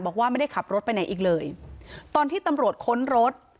บอกว่าไม่ได้ขับรถไปไหนอีกเลยตอนที่ตำรวจค้นรถ